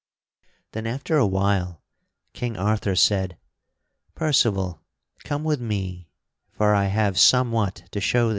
Then, after a while, King Arthur said: "Percival, come with me, for I have somewhat to show thee."